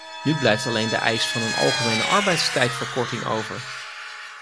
Nu blijft alleen de eis van een algemene arbeidstijdverkorting over.